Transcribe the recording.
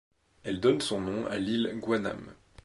Elle donne son nom à l'île Guaname.